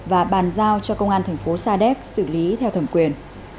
và bàn giao cho công an thành phố sa đéc xử lý theo thẩm quyền